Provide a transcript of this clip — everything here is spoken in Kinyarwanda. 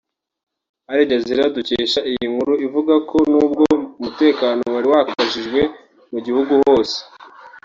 AlJazeera dukesha iyi nkuru ivuga ko nubwo umutekano wari wakajijwe mu gihugu hose